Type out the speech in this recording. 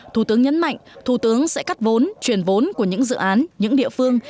thủ tướng nhấn mạnh thủ tướng sẽ cắt vốn chuyển vốn của những dự án những địa phương